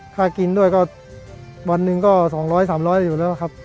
ค่ากินด้วยก็วันหนึ่งก็๒๐๐๓๐๐อยู่แล้วครับ